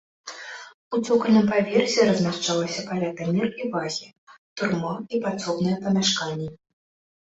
У цокальным паверсе размяшчалася палата мер і вагі, турма і падсобныя памяшканні.